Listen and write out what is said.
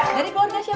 dari keluarga bapak